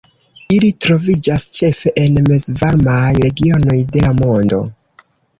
Ili troviĝas ĉefe en mezvarmaj regionoj de la mondo.